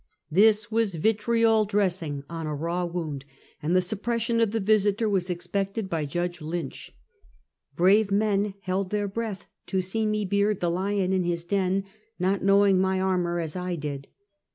This was vitriol dressing on a raw wound, and the suppression of the Visiter was expected by Judge Lynch. Brave men held their breath to see me beard the lion in his den, not knowing my armor as I did.